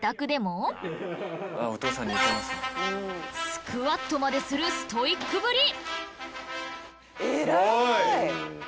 スクワットまでするストイックぶり！